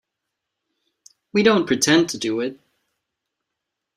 We don't pretend to do it.